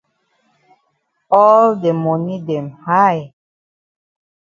All de moni dem high.